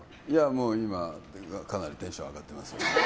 今、かなりテンション上がってます。